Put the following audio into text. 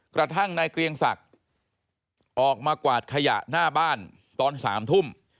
กระทั่งนายเกรียงศักดิ์ออกมากวาดขยะหน้าบ้านตอน๓ทุ่ม